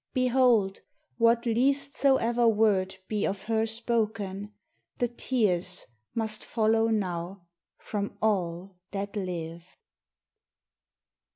Behold, What least soever word be of her spoken, The tears must follow now from all that live.